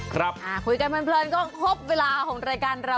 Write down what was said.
คุยกันเพลินก็ครบเวลาของรายการเรา